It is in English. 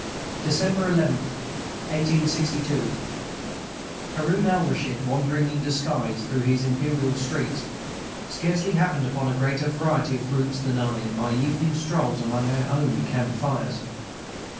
December 11, 1862. Haroun Alraschid, wandering in disguise through his imperial streets, scarcely happened upon a greater variety of groups than I, in my evening strolls among our own camp fires.